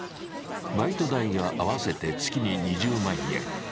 バイト代は合わせて月に２０万円。